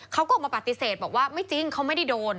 เขาก็ออกมาปฏิเสธบอกว่าไม่จริงเขาไม่ได้โดน